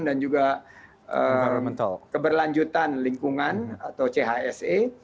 dan juga keberlanjutan lingkungan atau chse